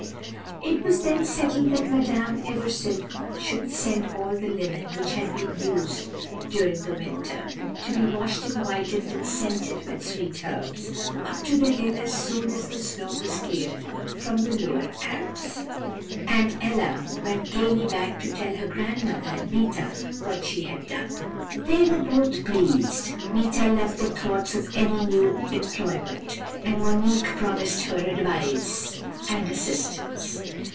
"It was then settled that Madame Eversil should send all the linen which had been used during the winter, to be washed and whitened and scented with sweet herbs, up to the hill as soon as the snow was cleared from the lower Alps. And Ella went gaily back to tell her grandmother and Meeta what she had done. "They were both pleased; Meeta loved the thoughts of any new employment, and Monique promised her advice and assistance.